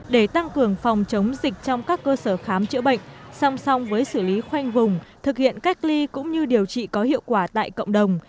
để tăng cường phòng chống dịch trong các cơ sở khám chữa bệnh song song với xử lý khoanh vùng thực hiện cách ly cũng như điều trị có hiệu quả tại cộng đồng